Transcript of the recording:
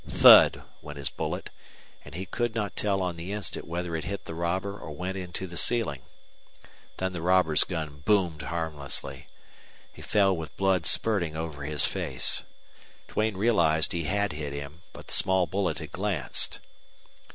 Thud! went his bullet, and he could not tell on the instant whether it hit the robber or went into the ceiling. Then the robber's gun boomed harmlessly. He fell with blood spurting over his face. Duane realized he had hit him, but the small bullet had glanced.